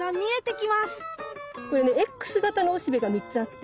これねエックス形のおしべが３つあって。